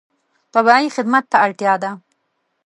طبیعي خدمت ته اړتیا ده.